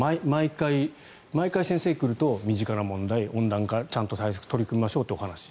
毎回、先生が来ると身近な問題、温暖化ちゃんと対策に取り組みましょうというお話。